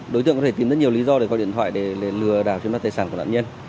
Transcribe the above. đối tượng có thể tìm rất nhiều lý do để có điện thoại để lừa đảo trên đất tài sản của nạn nhân